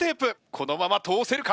このまま通せるか？